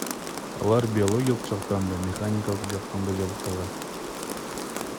Алар биологиялык жактан да, механикалык жактан да жабыркаган.